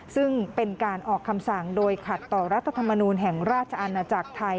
ซึ่งเป็นการออกคำสั่งโดยขัดต่อรัฐธรรมนูลแห่งราชอาณาจักรไทย